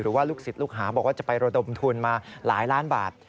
ลูกศิษย์ลูกหาบอกว่าจะไประดมทุนมาหลายล้านบาท